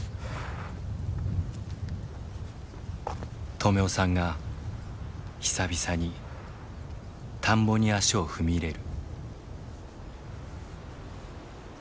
止男さんが久々に田んぼに足を踏み入れる。